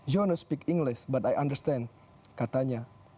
you don't speak english but i understand katanya